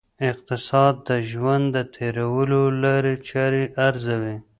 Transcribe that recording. اقتصاد د ژوند د تېرولو لاري چاري ارزوي.